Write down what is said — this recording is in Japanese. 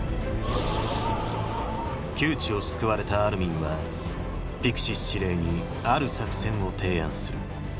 窮地を救われたアルミンはピクシス司令にある作戦を提案する。